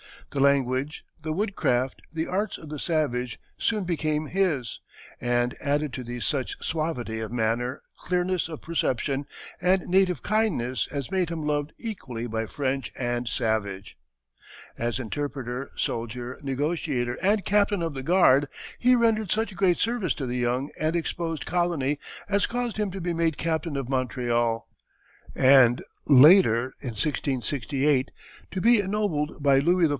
The language, the wood craft, the arts of the savage soon became his, and added to these such suavity of manner, clearness of perception, and native kindness as made him loved equally by French and savage. As interpreter, soldier, negotiator, and captain of the guard, he rendered such great service to the young and exposed colony as caused him to be made captain of Montreal, and later, in 1668, to be ennobled by Louis XIV.